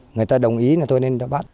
người ta đồng ý là tôi nên bắt